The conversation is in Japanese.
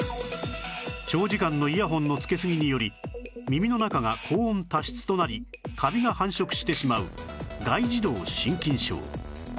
長時間のイヤホンのつけすぎにより耳の中が高温多湿となりカビが繁殖してしまう外耳道真菌症